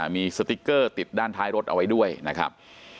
มีสติ๊กเกอร์ติดด้านท้ายรถเอาไว้ด้วยนะครับ